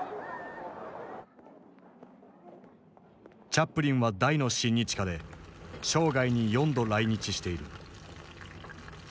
チャップリンは大の親日家で生涯に４度来日している。